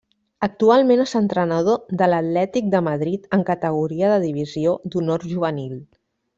Actualment és entrenador de l'Atlètic de Madrid en categoria de Divisió d'Honor Juvenil.